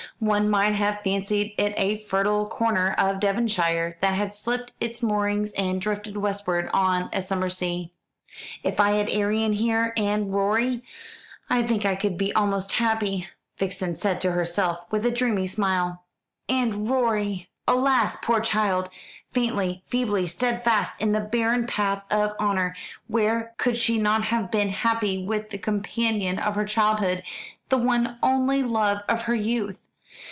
One might have fancied it a fertile corner of Devonshire that had slipped its moorings and drifted westward on a summer sea. "If I had Arion here, and Rorie, I think I could be almost happy," Vixen said to herself with a dreamy smile. "And Rorie!" Alas, poor child! faintly, feebly steadfast in the barren path of honour: where could she not have been happy with the companion of her childhood, the one only love of her youth?